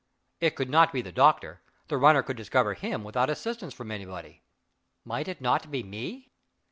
It could not be the doctor the runner could discover him without assistance from anybody. Why might it not be me?